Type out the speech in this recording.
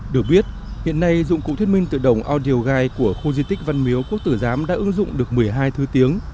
được biết hiện nay dụng cụ thuyết minh tự động audio guide của khu di tích văn miếu quốc tử giám đã ứng dụng được một mươi hai thứ tiếng